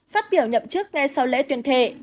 phát biểu nhậm chức ngay sau lễ tuyên thệ